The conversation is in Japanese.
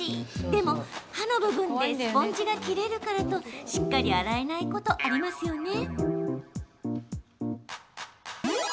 でも刃の部分でスポンジが切れるからとしっかり洗えないことありますよね。